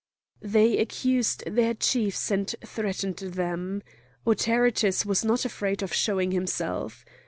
They accused their chiefs and threatened them. Autaritus was not afraid of showing himself.